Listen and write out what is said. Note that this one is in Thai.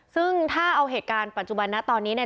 ซึ่งถ้าเอาเหตุการณ์ปัจจุบันนี้